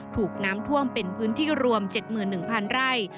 ถูกน้ำท่วมเป็นพื้นที่รวม๗๑๐๐๐ไร่